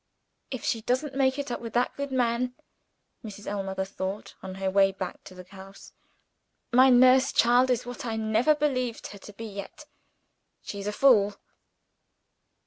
"If she doesn't make it up with that good man," Mrs. Ellmother thought, on her way back to the house, "my nurse child is what I have never believed her to be yet she's a fool."